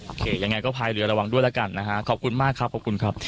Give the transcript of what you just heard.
ยังไงก็ภายเรือระวังด้วยแล้วกันนะฮะขอบคุณมากครับขอบคุณครับ